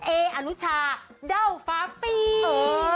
เออนุชาเด้าฟ้าปีฟ้า